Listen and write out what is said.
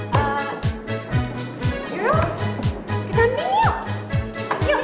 kita nanti yuk